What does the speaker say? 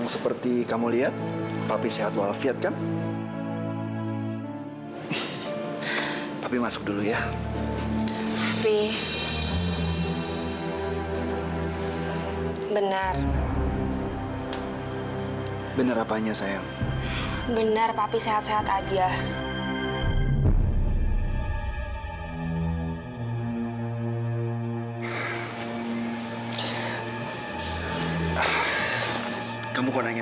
sampai jumpa di video selanjutnya